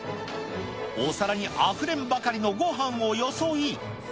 お皿にあふれんばかりのごはんをよそい。